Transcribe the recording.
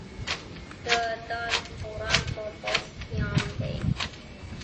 د دال خوراک په پوځ کې عام دی.